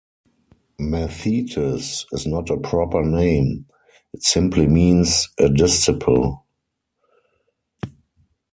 "Mathetes" is not a proper name; it simply means "a disciple.